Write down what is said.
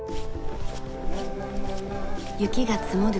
雪が積もる